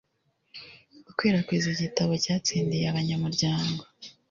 gukwirakwiza igitabo cyatsindiye abanyamuryango